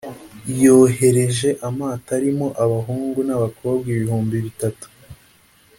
yohereje amato arimo abahungu n’abakobwa ibihumbi bitatu